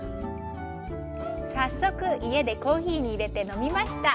早速、家でコーヒーに入れて飲みました。